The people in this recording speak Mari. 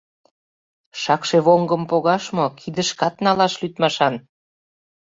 Шакшевоҥгым погаш мо — кидышкат налаш лӱдмашан...